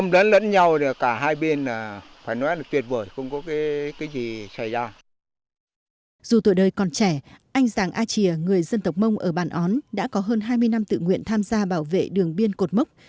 dù tuổi đời còn trẻ anh giàng a chìa người dân tộc mông ở bàn ón đã có hơn hai mươi năm tự nguyện tham gia bảo vệ đường biên cột mốc